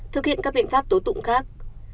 thực hiện các biện pháp tố tụng khác